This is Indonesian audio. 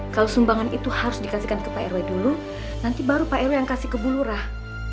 kalau sumbangan itu harus dikasihkan ke pak rw dulu nanti baru pak rw yang kasih ke bu lurah